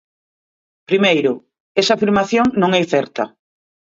Primeiro, esa afirmación non é certa.